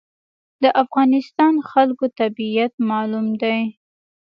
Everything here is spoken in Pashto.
د افغانستان خلکو طبیعت معلوم دی.